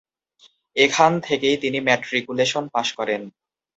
এখান থেকেই তিনি ম্যাট্রিকুলেশন পাশ করেন।